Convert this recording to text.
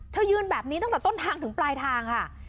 ยืนแบบนี้ตั้งแต่ต้นทางถึงปลายทางค่ะ